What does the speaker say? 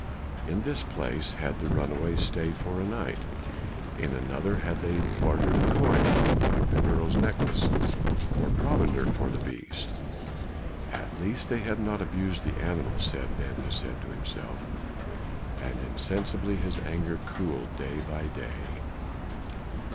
In this place had the runaways stayed for a night; in another had they bartered a coin from the girl's necklace for provender for the beast. "At least they have not abused the animal," said Ben Hesed to himself, and insensibly his anger cooled day by day.